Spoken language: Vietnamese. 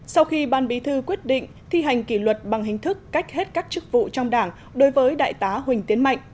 sau khi ban bí thư quyết định thi hành kỷ luật bằng hình thức cách hết các chức vụ trong đảng đối với đại tá huỳnh tiến mạnh